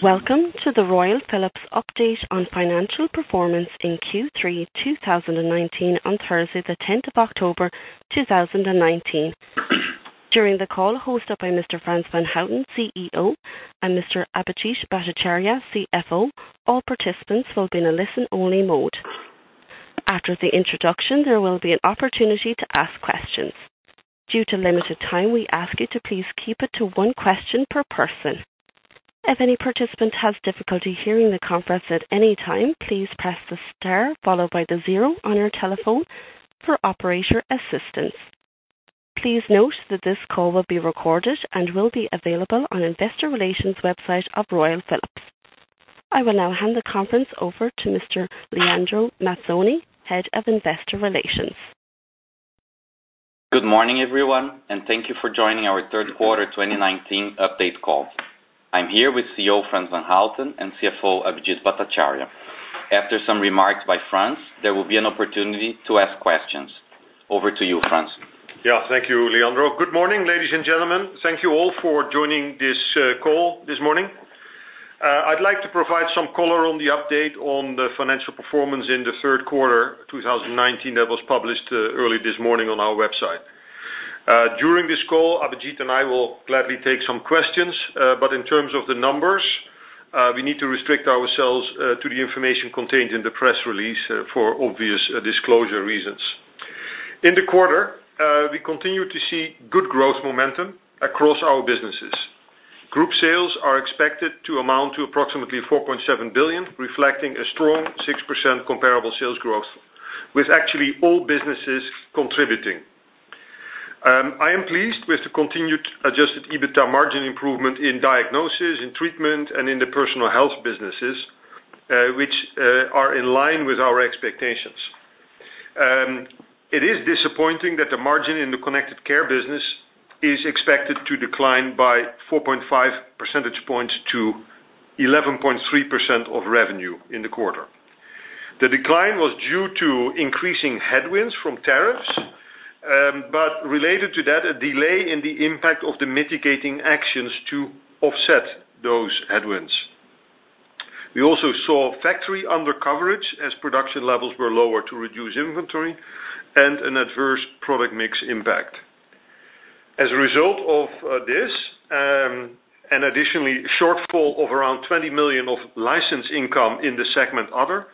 Welcome to the Royal Philips update on financial performance in Q3 2019 on Thursday, the 10th of October 2019. During the call hosted by Mr. Frans van Houten, CEO, and Mr. Abhijit Bhattacharya, CFO, all participants will be in a listen-only mode. After the introduction, there will be an opportunity to ask questions. Due to limited time, we ask you to please keep it to one question per person. If any participant has difficulty hearing the conference at any time, please press the star followed by the zero on your telephone for operator assistance. Please note that this call will be recorded and will be available on investor relations website of Royal Philips. I will now hand the conference over to Mr. Leandro Mazzoni, Head of Investor Relations. Good morning, everyone, and thank you for joining our third quarter 2019 update call. I am here with CEO Frans van Houten and CFO Abhijit Bhattacharya. After some remarks by Frans, there will be an opportunity to ask questions. Over to you, Frans. Yeah. Thank you, Leandro. Good morning, ladies and gentlemen. Thank you all for joining this call this morning. I'd like to provide some color on the update on the financial performance in the third quarter 2019 that was published early this morning on our website. During this call, Abhijit and I will gladly take some questions. In terms of the numbers, we need to restrict ourselves to the information contained in the press release for obvious disclosure reasons. In the quarter, we continue to see good growth momentum across our businesses. Group sales are expected to amount to approximately 4.7 billion, reflecting a strong 6% comparable sales growth with actually all businesses contributing. I am pleased with the continued adjusted EBITDA margin improvement in Diagnosis, in Treatment, and in the Personal Health businesses, which are in line with our expectations. It is disappointing that the margin in the Connected Care business is expected to decline by 4.5 percentage points to 11.3% of revenue in the quarter. The decline was due to increasing headwinds from tariffs, related to that, a delay in the impact of the mitigating actions to offset those headwinds. We also saw factory undercoverage as production levels were lower to reduce inventory and an adverse product mix impact. As a result of this, additionally, shortfall of around 20 million of license income in the segment other,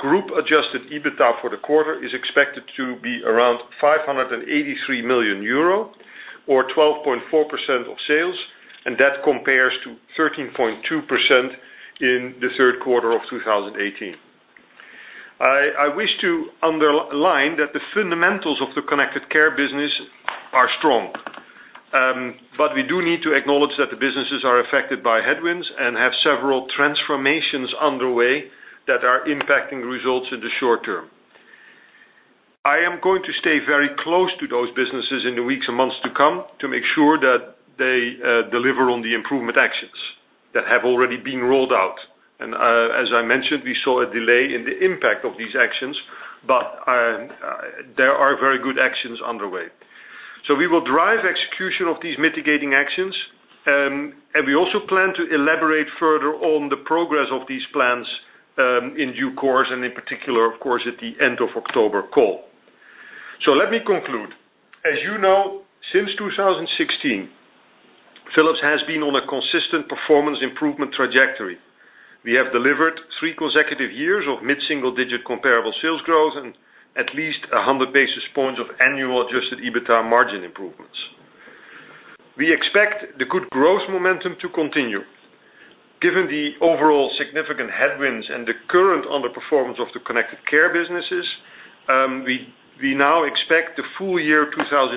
group-adjusted EBITDA for the quarter is expected to be around 583 million euro or 12.4% of sales, that compares to 13.2% in the third quarter of 2018. I wish to underline that the fundamentals of the Connected Care business are strong. We do need to acknowledge that the businesses are affected by headwinds and have several transformations underway that are impacting results in the short term. I am going to stay very close to those businesses in the weeks and months to come to make sure that they deliver on the improvement actions that have already been rolled out. As I mentioned, we saw a delay in the impact of these actions, but there are very good actions underway. We will drive execution of these mitigating actions, and we also plan to elaborate further on the progress of these plans in due course, and in particular, of course, at the end of October call. Let me conclude. As you know, since 2016, Philips has been on a consistent performance improvement trajectory. We have delivered 3 consecutive years of mid-single-digit comparable sales growth and at least 100 basis points of annual adjusted EBITDA margin improvements. We expect the good growth momentum to continue. Given the overall significant headwinds and the current underperformance of the Connected Care businesses, we now expect the full year 2019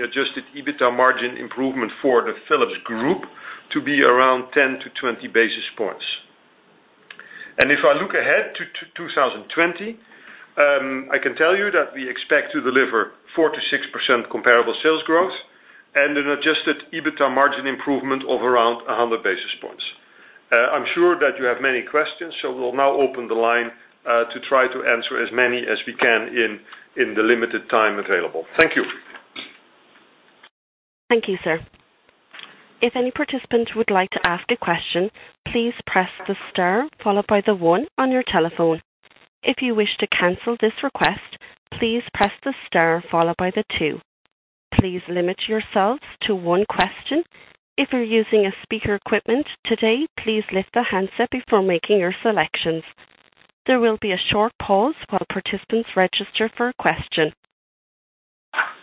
adjusted EBITDA margin improvement for the Philips Group to be around 10-20 basis points. If I look ahead to 2020, I can tell you that we expect to deliver 4%-6% comparable sales growth and an adjusted EBITDA margin improvement of around 100 basis points. I'm sure that you have many questions, so we'll now open the line, to try to answer as many as we can in the limited time available. Thank you. Thank you, sir. If any participant would like to ask a question, please press the star followed by the one on your telephone. If you wish to cancel this request, please press the star followed by the two. Please limit yourselves to one question. If you're using speaker equipment today, please lift the handset before making your selections. There will be a short pause while participants register for a question.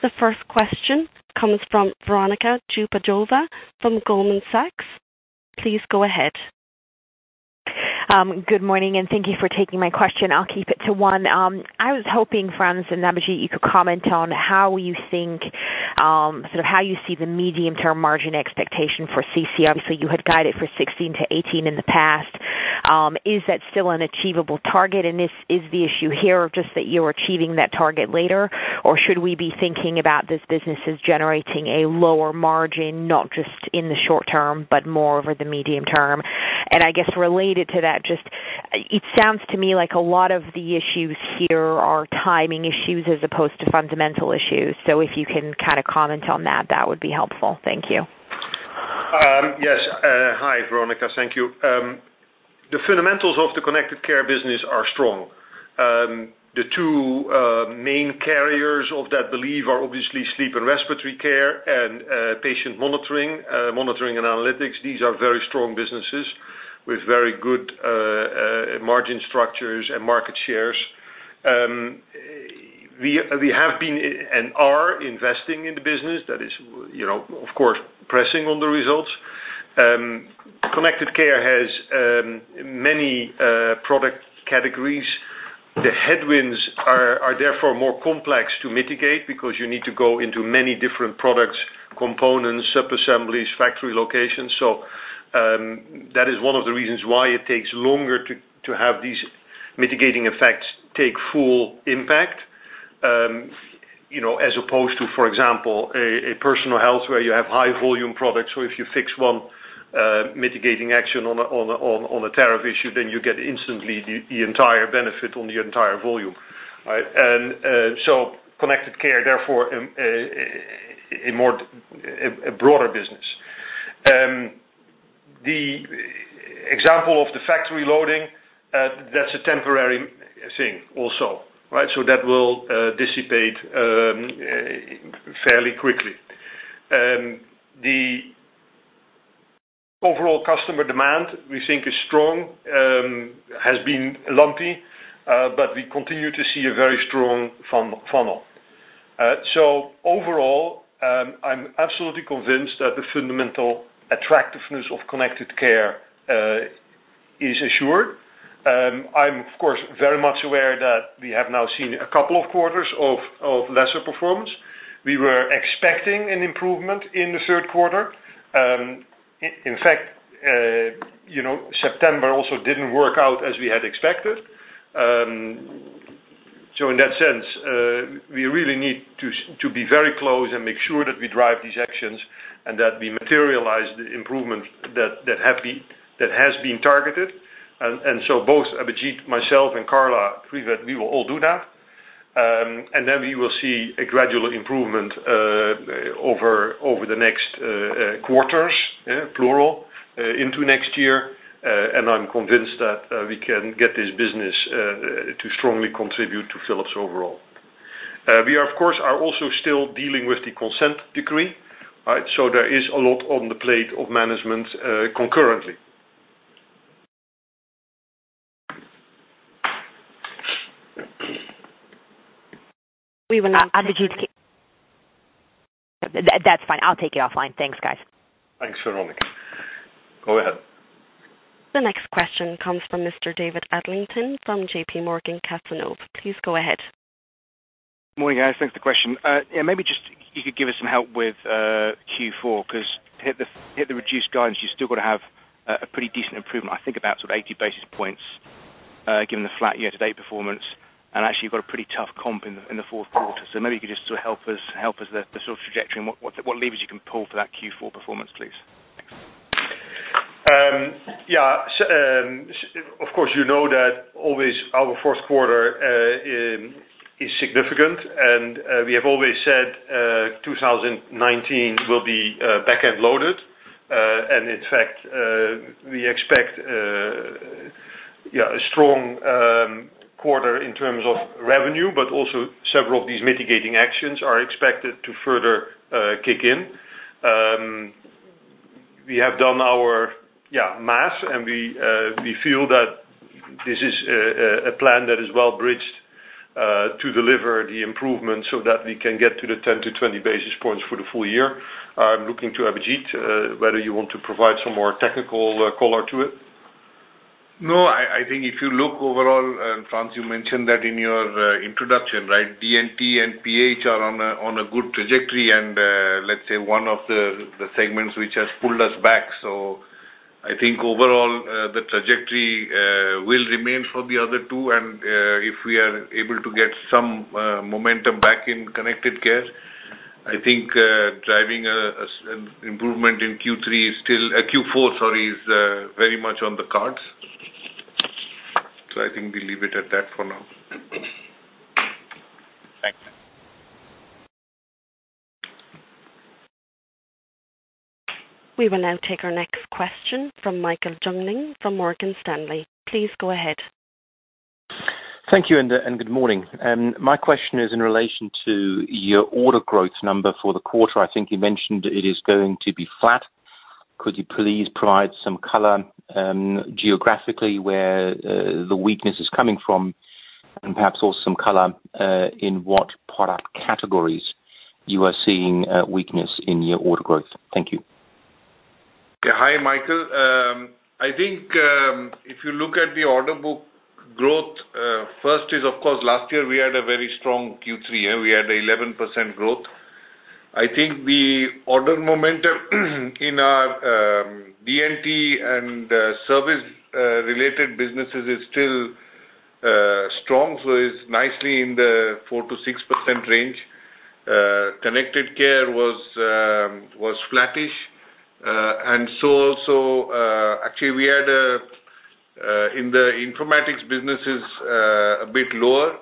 The first question comes from Veronika Dubajova from Goldman Sachs. Please go ahead. Good morning, and thank you for taking my question. I'll keep it to one. I was hoping, Frans and Abhijit, you could comment on how you see the medium-term margin expectation for CC. Obviously, you had guided for 16%-18% in the past. Is that still an achievable target? Is the issue here just that you're achieving that target later, or should we be thinking about this business as generating a lower margin, not just in the short term, but more over the medium term? I guess related to that, it sounds to me like a lot of the issues here are timing issues as opposed to fundamental issues. If you can comment on that would be helpful. Thank you. Yes. Hi, Veronika. Thank you. The fundamentals of the Connected Care business are strong. The two main carriers of that belief are obviously Sleep and Respiratory Care and patient monitoring and analytics. These are very strong businesses with very good margin structures and market shares. We have been, and are, investing in the business. That is, of course, pressing on the results. Connected Care has many product categories. The headwinds are therefore more complex to mitigate because you need to go into many different products, components, sub-assemblies, factory locations. That is one of the reasons why it takes longer to have these mitigating effects take full impact, as opposed to, for example, a Personal Health where you have high volume products. If you fix one mitigating action on a tariff issue, then you get instantly the entire benefit on the entire volume. Right. Connected Care, therefore, a broader business. The example of the factory loading, that's a temporary thing also. That will dissipate fairly quickly. The overall customer demand we think is strong, has been lumpy, but we continue to see a very strong funnel. Overall, I'm absolutely convinced that the fundamental attractiveness of Connected Care is assured. I'm, of course, very much aware that we have now seen a couple of quarters of lesser performance. We were expecting an improvement in the third quarter. In fact, September also didn't work out as we had expected. In that sense, we really need to be very close and make sure that we drive these actions and that we materialize the improvement that has been targeted. Both Abhijit, myself, and Carla believe that we will all do that. We will see a gradual improvement over the next quarters, plural, into next year. I'm convinced that we can get this business to strongly contribute to Philips overall. We are, of course, also still dealing with the consent decree. There is a lot on the plate of management concurrently. We will now, Abhijit. That's fine. I'll take it offline. Thanks, guys. Thanks, Veronika. Go ahead. The next question comes from Mr. David Adlington from JPMorgan Cazenove. Please go ahead. Morning, guys. Thanks for the question. Maybe just you could give us some help with Q4, because to hit the reduced guidance, you still got to have a pretty decent improvement. I think about sort of 80 basis points, given the flat year-to-date performance, and actually you've got a pretty tough comp in the fourth quarter. Maybe you could just sort of help us with the sort of trajectory and what levers you can pull for that Q4 performance, please. Thanks. Of course, you know that always our fourth quarter is significant. We have always said 2019 will be back-end loaded. In fact, we expect a strong quarter in terms of revenue, also several of these mitigating actions are expected to further kick in. We have done our math and we feel that this is a plan that is well bridged to deliver the improvements so that we can get to the 10-20 basis points for the full year. I'm looking to Abhijit, whether you want to provide some more technical color to it. No. I think if you look overall, Frans, you mentioned that in your introduction, right? D&T and PH are on a good trajectory and, let's say one of the segments which has pulled us back. I think overall, the trajectory will remain for the other two, and if we are able to get some momentum back in Connected Care, I think driving an improvement in Q4 is very much on the cards. I think we'll leave it at that for now. Thanks. We will now take our next question from Michael Jüngling from Morgan Stanley. Please go ahead. Thank you, and good morning. My question is in relation to your order growth number for the quarter. I think you mentioned it is going to be flat. Could you please provide some color geographically, where the weakness is coming from? Perhaps also some color, in what product categories you are seeing weakness in your order growth. Thank you. Hi, Michael. I think, if you look at the order book growth, first is of course, last year we had a very strong Q3. We had 11% growth. I think the order momentum in our D&T and service related businesses is still. Strong was nicely in the 4%-6% range. Connected Care was flattish. Also, actually, we had in the informatics businesses, a bit lower.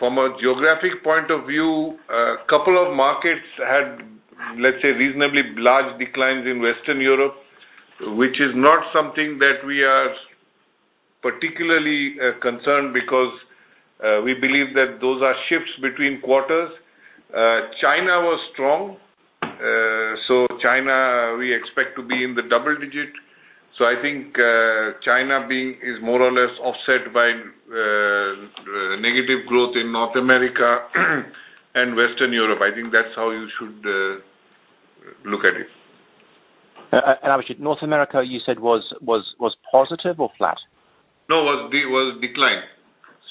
From a geographic point of view, a couple of markets had, let's say, reasonably large declines in Western Europe, which is not something that we are particularly concerned because we believe that those are shifts between quarters. China was strong. China, we expect to be in the double digit. I think China is more or less offset by negative growth in North America and Western Europe. I think that's how you should look at it. Abhijit, North America, you said was positive or flat? No, was declined.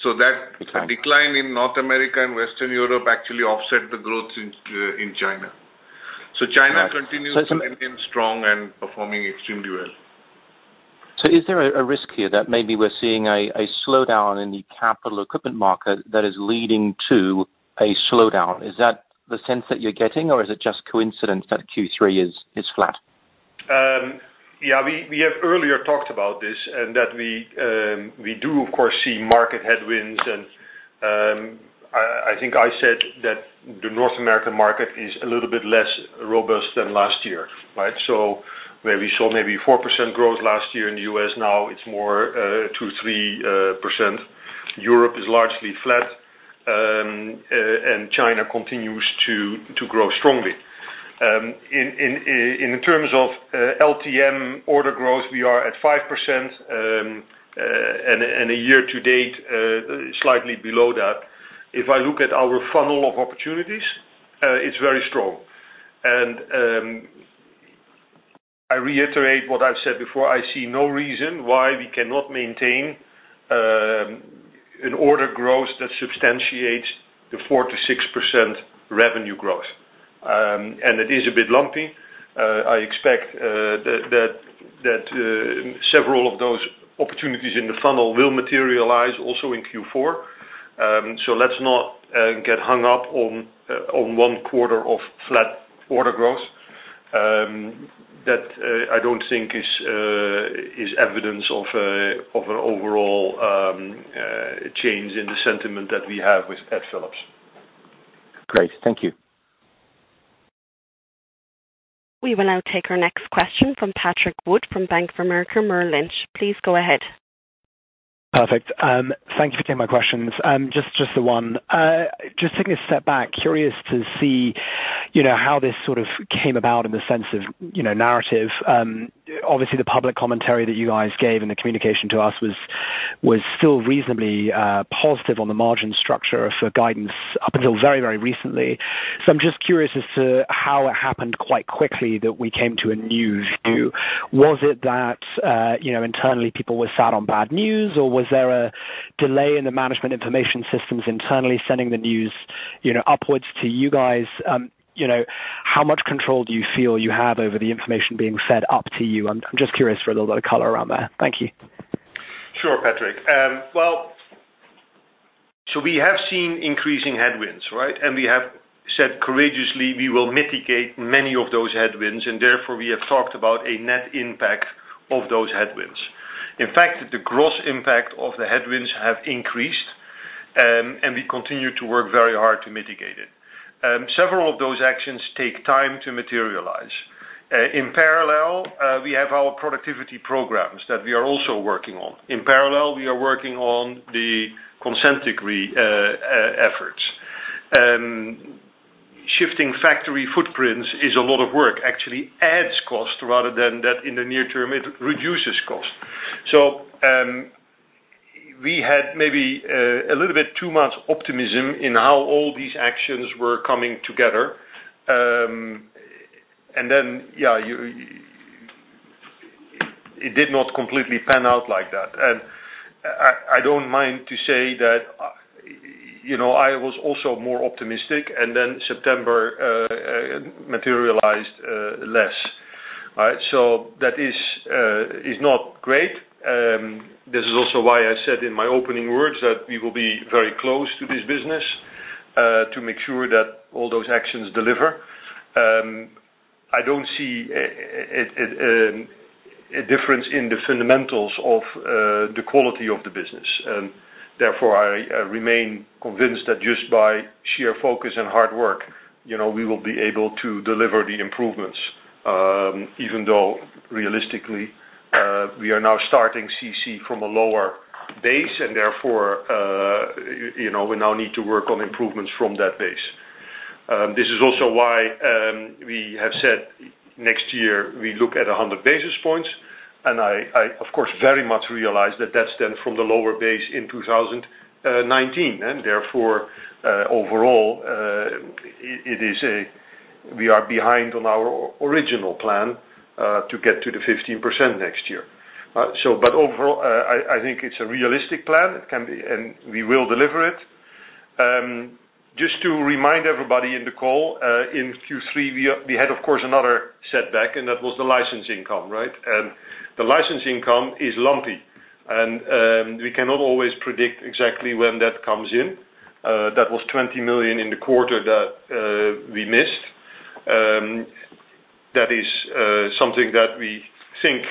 Declined decline in North America and Western Europe actually offset the growth in China. China continues. So some- to remain strong and performing extremely well. Is there a risk here that maybe we're seeing a slowdown in the capital equipment market that is leading to a slowdown? Is that the sense that you're getting, or is it just coincidence that Q3 is flat? Yeah, we have earlier talked about this, that we do, of course, see market headwinds, and I think I said that the North American market is a little bit less robust than last year, right? Where we saw maybe 4% growth last year in the U.S., now it's more 2%, 3%. Europe is largely flat, China continues to grow strongly. In terms of LTM order growth, we are at 5%, a year to date, slightly below that. If I look at our funnel of opportunities, it's very strong. I reiterate what I've said before, I see no reason why we cannot maintain an order growth that substantiates the 4%-6% revenue growth. It is a bit lumpy. I expect that several of those opportunities in the funnel will materialize also in Q4. Let's not get hung up on one quarter of flat order growth. That, I don't think is evidence of an overall change in the sentiment that we have at Philips. Great. Thank you. We will now take our next question from Patrick Wood from Bank of America Merrill Lynch. Please go ahead. Perfect. Thank you for taking my questions. Just the one. Just taking a step back, curious to see how this sort of came about in the sense of narrative. Obviously, the public commentary that you guys gave and the communication to us was still reasonably positive on the margin structure for guidance up until very recently. I'm just curious as to how it happened quite quickly that we came to a new view. Was it that internally, people were sat on bad news, or was there a delay in the management information systems internally sending the news upwards to you guys? How much control do you feel you have over the information being fed up to you? I'm just curious for a little bit of color around there. Thank you. Sure, Patrick. We have seen increasing headwinds, right? We have said courageously we will mitigate many of those headwinds, and therefore, we have talked about a net impact of those headwinds. In fact, the gross impact of the headwinds have increased, and we continue to work very hard to mitigate it. Several of those actions take time to materialize. In parallel, we have our productivity programs that we are also working on. In parallel, we are working on the [Concentric] efforts. Shifting factory footprints is a lot of work. Actually adds cost rather than that in the near term, it reduces cost. We had maybe a little bit too much optimism in how all these actions were coming together. Then, yeah, it did not completely pan out like that. I don't mind to say that I was also more optimistic, and then September materialized less. That is not great. This is also why I said in my opening words that we will be very close to this business, to make sure that all those actions deliver. I don't see a difference in the fundamentals of the quality of the business. Therefore, I remain convinced that just by sheer focus and hard work, we will be able to deliver the improvements, even though realistically, we are now starting CC from a lower base, and therefore, we now need to work on improvements from that base. This is also why we have said next year we look at 100 basis points, and I, of course, very much realize that that's then from the lower base in 2019, and therefore, overall, we are behind on our original plan to get to the 15% next year. Overall, I think it's a realistic plan, and we will deliver it. in the call, in Q3, we had, of course, another setback, and that was the license income. The license income is lumpy. We cannot always predict exactly when that comes in. That was 20 million in the quarter that we missed. That is something that we think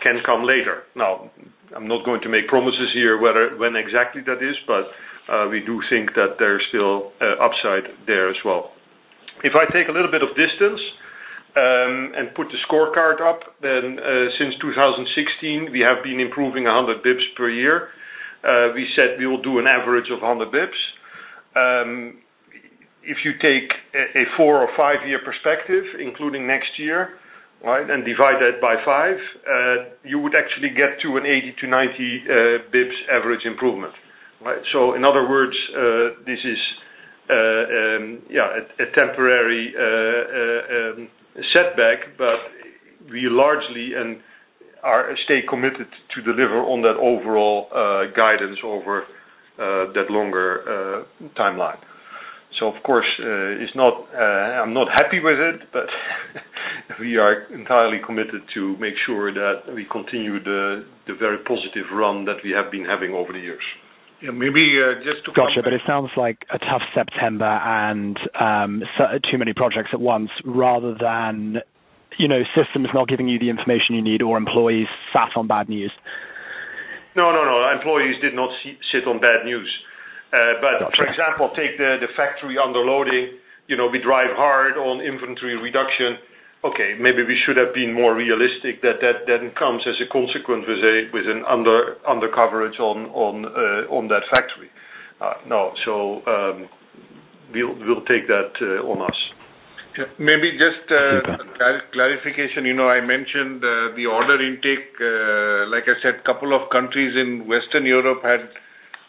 can come later. Now, I'm not going to make promises here when exactly that is, but we do think that there's still upside there as well. If I take a little bit of distance and put the scorecard up, then since 2016, we have been improving 100 bps per year. We said we will do an average of 100 bps. If you take a four or five-year perspective, including next year, and divide that by five, you would actually get to an 80-90 bps average improvement. In other words, this is a temporary setback, but we largely stay committed to deliver on that overall guidance over that longer timeline. Of course, I'm not happy with it, but we are entirely committed to make sure that we continue the very positive run that we have been having over the years. Maybe just to- Got you. It sounds like a tough September and too many projects at once rather than systems not giving you the information you need or employees sat on bad news. No, employees did not sit on bad news. Got you. For example, take the factory under loading. We drive hard on inventory reduction. Okay, maybe we should have been more realistic that that then comes as a consequence with an under coverage on that factory. Now, we'll take that on us. Maybe just a clarification. I mentioned the order intake. Like I said, couple of countries in Western Europe had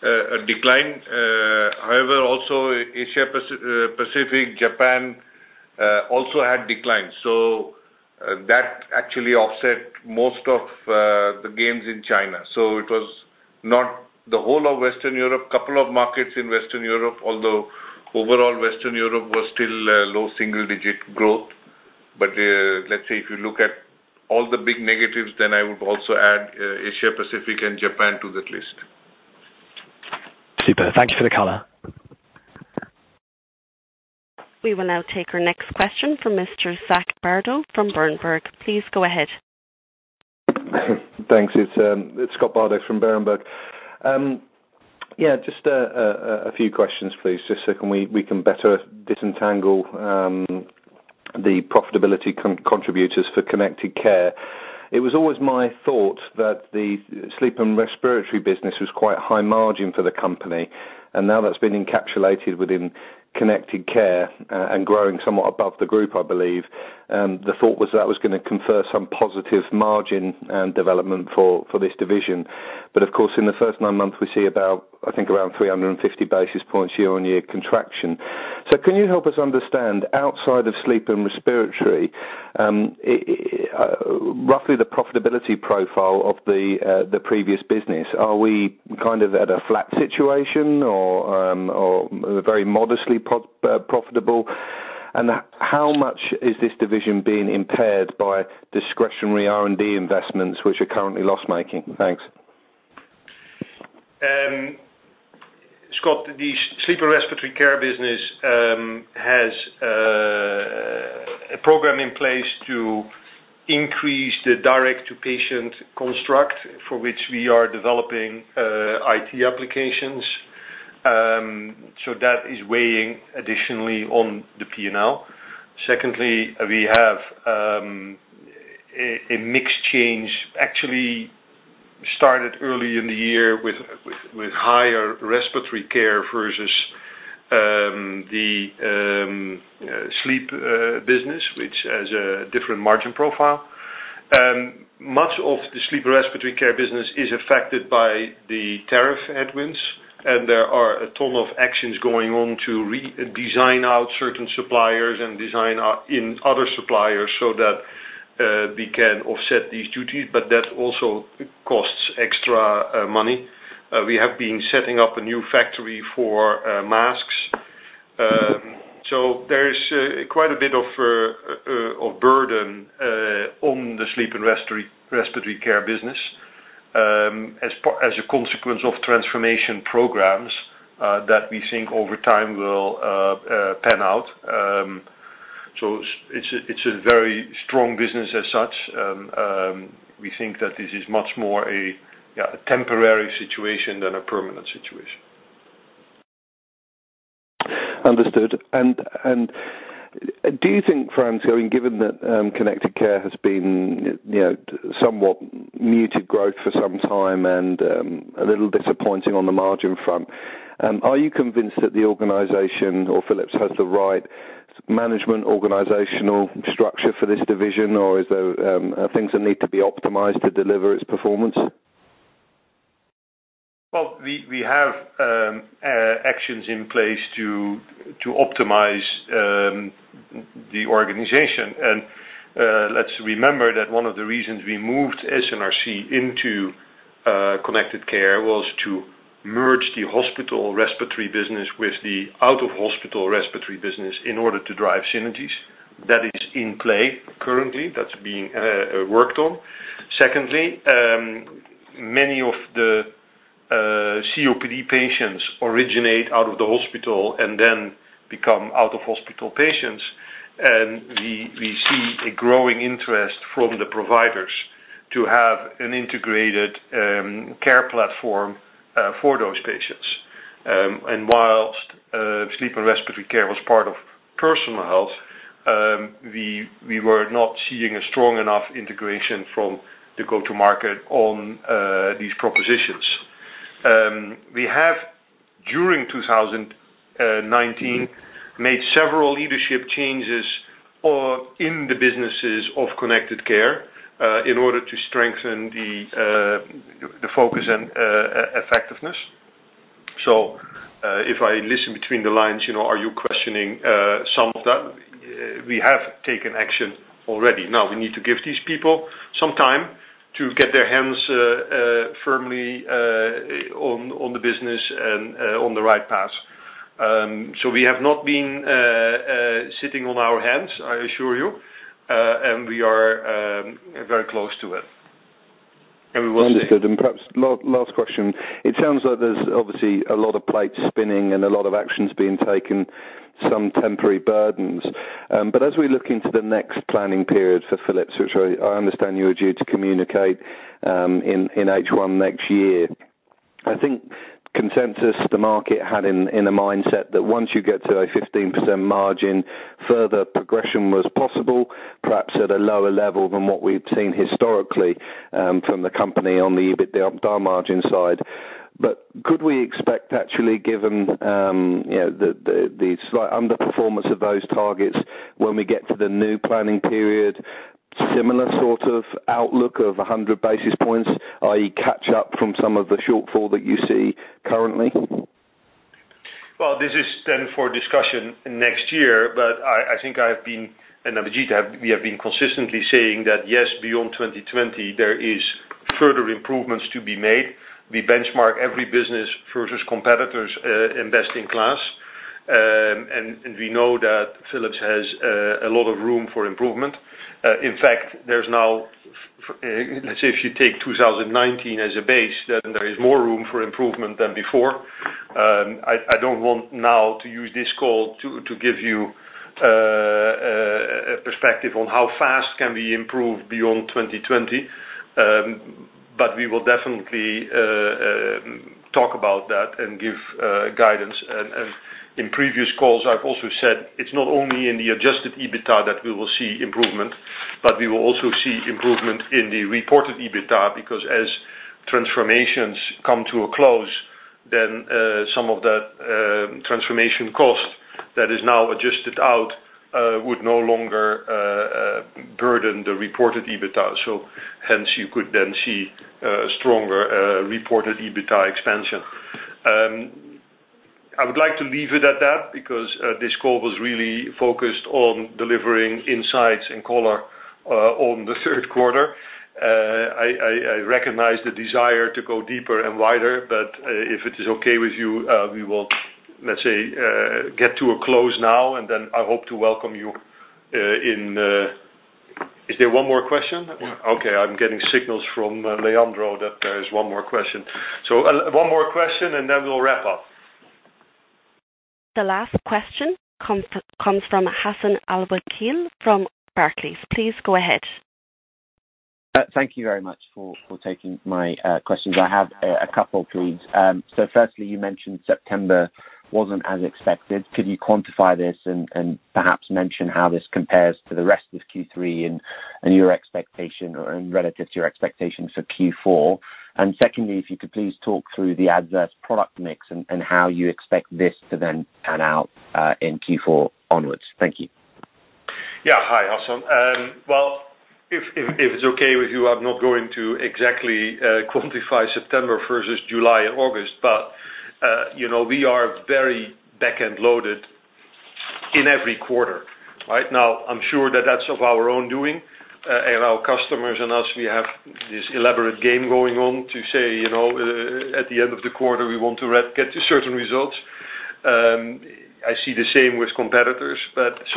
a decline. However, also Asia Pacific, Japan, also had declines. That actually offset most of the gains in China. It was not the whole of Western Europe, couple of markets in Western Europe, although overall Western Europe was still low single-digit growth. Let's say if you look at all the big negatives, then I would also add Asia Pacific and Japan to that list. Super. Thank you for the color. We will now take our next question from Mr. Scott Bardo from Berenberg. Please go ahead. Thanks. It's Scott Bardo from Berenberg. Just a few questions, please, just so we can better disentangle the profitability contributors for Connected Care. It was always my thought that the Sleep and Respiratory business was quite high margin for the company, and now that's been encapsulated within Connected Care and growing somewhat above the group, I believe. The thought was that was going to confer some positive margin and development for this division. Of course, in the first nine months, we see about, I think, around 350 basis points year-on-year contraction. Can you help us understand outside of Sleep and Respiratory, roughly the profitability profile of the previous business? Are we kind of at a flat situation or very modestly profitable? How much is this division being impaired by discretionary R&D investments, which are currently loss-making? Thanks. Scott, the Sleep and Respiratory Care business has a program in place to increase the direct-to-patient construct for which we are developing IT applications. That is weighing additionally on the P&L. Secondly, we have a mix change, actually started early in the year with higher respiratory care versus the sleep business, which has a different margin profile. Much of the Sleep and Respiratory Care business is affected by the tariff headwinds, and there are a ton of actions going on to redesign out certain suppliers and design in other suppliers so that we can offset these duties, but that also costs extra money. We have been setting up a new factory for masks. There is quite a bit of burden on the Sleep and Respiratory Care business, as a consequence of transformation programs, that we think over time will pan out. It's a very strong business as such. We think that this is much more a temporary situation than a permanent situation. Understood. Do you think, Frans, given that Connected Care has been somewhat muted growth for some time and a little disappointing on the margin front, are you convinced that the organization or Philips has the right management organizational structure for this division, or are there things that need to be optimized to deliver its performance? Well, we have actions in place to optimize the organization. Let's remember that one of the reasons we moved S&RC into Connected Care was to merge the hospital respiratory business with the out-of-hospital respiratory business in order to drive synergies. That is in play currently. That's being worked on. Secondly, many of the COPD patients originate out of the hospital and then become out-of-hospital patients, and we see a growing interest from the providers to have an integrated care platform for those patients. Whilst Sleep and Respiratory Care was part of Personal Health, we were not seeing a strong enough integration from the go-to market on these propositions. We have, during 2019, made several leadership changes in the businesses of Connected Care, in order to strengthen the focus and effectiveness. If I listen between the lines, are you questioning some of that? We have taken action already. Now, we need to give these people some time to get their hands firmly on the business and on the right path. We have not been sitting on our hands, I assure you, and we are very close to it. We will see. Understood. Perhaps last question. It sounds like there's obviously a lot of plates spinning and a lot of actions being taken, some temporary burdens. As we look into the next planning period for Philips, which I understand you are due to communicate in H1 next year. I think consensus, the market had in a mindset that once you get to a 15% margin, further progression was possible, perhaps at a lower level than what we've seen historically from the company on the EBITDA margin side. Could we expect actually, given the slight underperformance of those targets, when we get to the new planning period, similar sort of outlook of 100 basis points, i.e., catch up from some of the shortfall that you see currently? This is then for discussion next year. I think I have been, and Abhijit, we have been consistently saying that, yes, beyond 2020, there is further improvements to be made. We benchmark every business versus competitors in best in class. We know that Philips has a lot of room for improvement. In fact, let's say if you take 2019 as a base, then there is more room for improvement than before. I don't want now to use this call to give you a perspective on how fast can we improve beyond 2020. We will definitely talk about that and give guidance. In previous calls, I've also said it's not only in the adjusted EBITDA that we will see improvement, but we will also see improvement in the reported EBITDA, because as transformations come to a close, then some of that transformation cost that is now adjusted out would no longer burden the reported EBITDA. Hence you could then see a stronger reported EBITDA expansion. I would like to leave it at that because this call was really focused on delivering insights and color on the third quarter. I recognize the desire to go deeper and wider, if it is okay with you, we will, let's say, get to a close now, and then I hope to welcome you in. Is there one more question? Yeah. Okay. I'm getting signals from Leandro that there is one more question. One more question and then we'll wrap up. The last question comes from Hassan Al-Wakeel from Barclays. Please go ahead. Thank you very much for taking my questions. I have a couple, please. Firstly, you mentioned September wasn't as expected. Could you quantify this and perhaps mention how this compares to the rest of Q3 and relative to your expectations for Q4? Secondly, if you could please talk through the adverse product mix and how you expect this to then pan out in Q4 onwards. Thank you. Yeah. Hi, Hassan. Well, if it's okay with you, I'm not going to exactly quantify September versus July and August. We are very back-end loaded in every quarter. Right now, I'm sure that that's of our own doing, and our customers and us, we have this elaborate game going on to say, at the end of the quarter, we want to get to certain results. I see the same with competitors.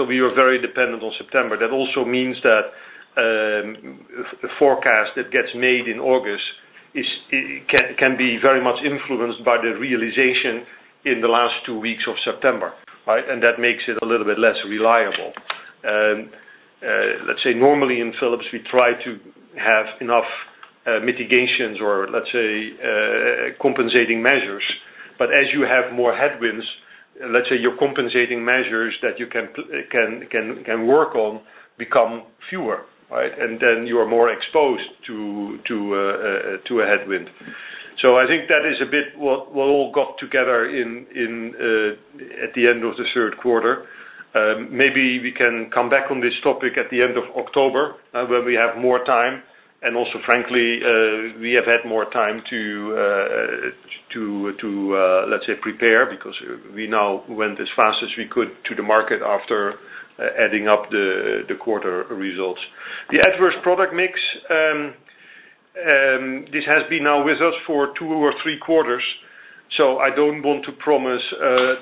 We were very dependent on September. That also means that the forecast that gets made in August can be very much influenced by the realization in the last two weeks of September, right? That makes it a little bit less reliable. Let's say normally in Philips, we try to have enough mitigations or let's say compensating measures. As you have more headwinds, let's say your compensating measures that you can work on become fewer, right? You are more exposed to a headwind. I think that is a bit what all got together at the end of the third quarter. Maybe we can come back on this topic at the end of October, when we have more time. Frankly, we have had more time to, let's say, prepare because we now went as fast as we could to the market after adding up the quarter results. The adverse product mix, this has been now with us for two or three quarters. I don't want to promise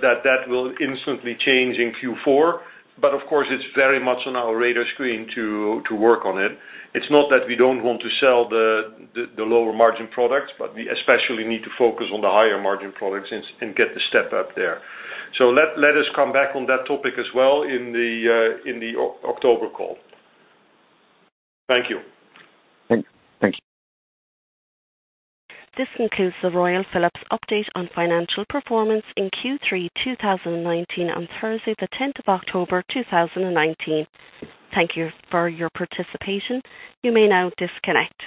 that that will instantly change in Q4. Of course, it's very much on our radar screen to work on it. It's not that we don't want to sell the lower margin products, but we especially need to focus on the higher margin products and get the step up there. Let us come back on that topic as well in the October call. Thank you. Thank you. This concludes the Royal Philips update on financial performance in Q3 2019 on Thursday, the 10th of October 2019. Thank you for your participation. You may now disconnect.